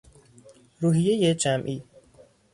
روحیهی جمعی